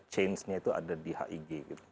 change nya itu ada di hig gitu